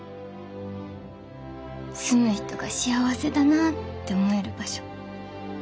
住む人が幸せだなぁって思える場所。